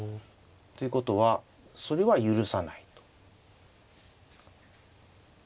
ということはそれは許さないと。